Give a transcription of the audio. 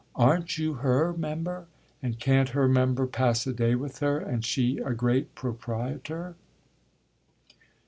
Aren't you her member, and can't her member pass a day with her, and she a great proprietor?"